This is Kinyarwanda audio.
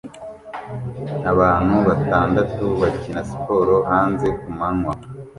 Abantu batandatu bakina siporo hanze kumanywa